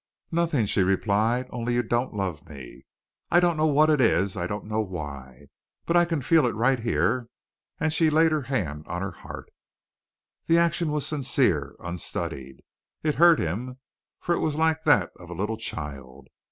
"Nothing," she replied. "Only you don't love me. I don't know what it is. I don't know why. But I can feel it right here," and she laid her hand on her heart. The action was sincere, unstudied. It hurt him, for it was like that of a little child.